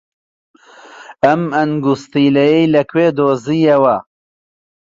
ئەم ئەنگوستیلەیەی لەکوێ دۆزییەوە؟